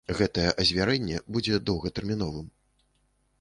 Гэтае азвярэнне будзе доўгатэрміновым.